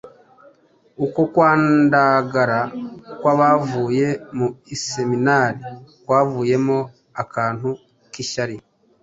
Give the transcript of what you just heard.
Uko kwandagara kw'abavuye mu iseminari kwavuyemo akantu k'ishyari